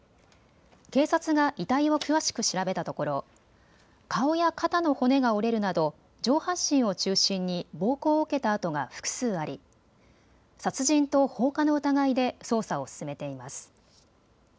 警察が遺体を詳しく調べたところ顔や肩の骨が折れるなど上半身を中心に暴行を受けた痕が複数あり殺人と放火の疑いで捜査を進めています。